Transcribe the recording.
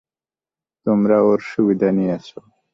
তোমরা ওর সুবিধা নিয়েছ।